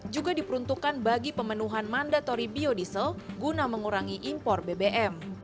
juga diperuntukkan bagi pemenuhan mandatori biodiesel guna mengurangi impor bbm